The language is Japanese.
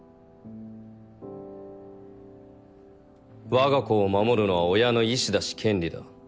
我が子を守るのは親の意志だし権利だ。